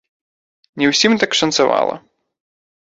Не ўсім так шанцавала.